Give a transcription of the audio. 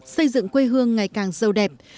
xây dựng quê hương ngày càng sâu đẹp